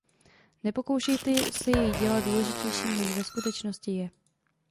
Nepokoušejte se jej dělat důležitějším než ve skutečnosti je.